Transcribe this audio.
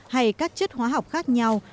hay các chất hóa học khác nhau